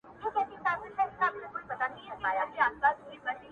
د هيندارو يوه لار کي يې ويده کړم